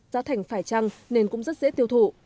giá thành phải trăng nên cũng rất dễ tiêu thụ